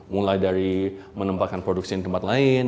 mulai dari menempatkan produksi di tempat lain